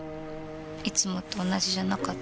いつもと同じじゃなかったりするし。